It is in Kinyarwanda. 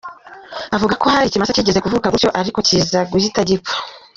Avuga ko hari ikimasa kigeze kuvuka gutyo ariko kiza guhita gipfa.